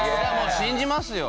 信じますよ。